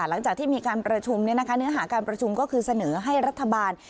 หลังจากที่มีการประชุมเนื้อหาการประชุมก็คือเสนอให้รัฐบาล